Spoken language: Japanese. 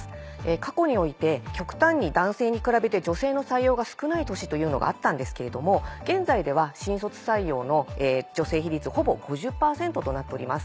過去において極端に男性に比べて女性の採用が少ない年というのがあったんですけれども現在では新卒採用の女性比率ほぼ５０％となっております。